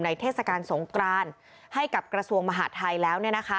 เทศกาลสงกรานให้กับกระทรวงมหาดไทยแล้ว